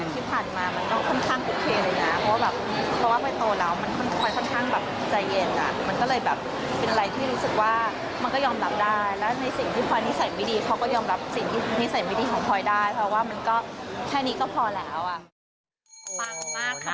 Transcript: ที่ผ่านมามันก็ค่อนข้างโอเคเลยนะเพราะว่าแบบเพราะว่าพลอยโตแล้วมันพลอยค่อนข้างแบบใจเย็นอ่ะมันก็เลยแบบเป็นอะไรที่รู้สึกว่ามันก็ยอมรับได้แล้วในสิ่งที่พลอยนิสัยไม่ดีเขาก็ยอมรับสิ่งที่นิสัยไม่ดีของพลอยได้เพราะว่ามันก็แค่นี้ก็พอแล้วอ่ะ